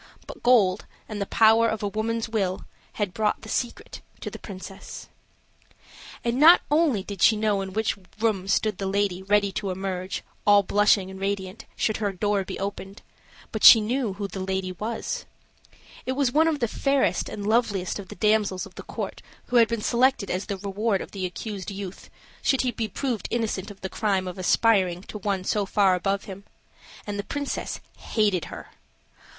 But gold, and the power of a woman's will, had brought the secret to the princess. And not only did she know in which room stood the lady ready to emerge, all blushing and radiant, should her door be opened, but she knew who the lady was. It was one of the fairest and loveliest of the damsels of the court who had been selected as the reward of the accused youth, should he be proved innocent of the crime of aspiring to one so far above him; and the princess hated her.